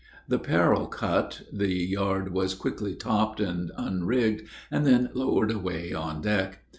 The parrel cut, the yard was quickly topped and unrigged, and then lowered away on deck.